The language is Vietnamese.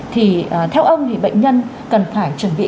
thì theo ông thì bệnh nhân cần phải chuẩn bị